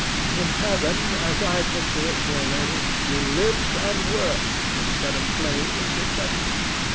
DON JUAN. In Heaven, as I picture it, dear lady, you live and work instead of playing and pretending.